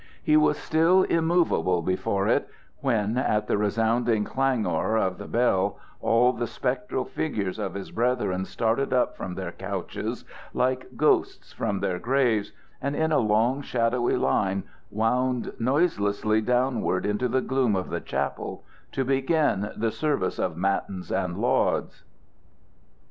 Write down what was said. He was still immovable before it when, at the resounding clangor of the bell, all the spectral figures of his brethren started up from their couches like ghosts from their graves, and in a long, shadowy line wound noiselessly downward into the gloom of the chapel, to begin the service of matins and lauds.